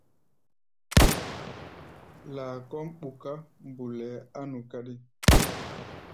Laa kɔ́ʼm ɓuká mbulɛɛ á nu káɗí.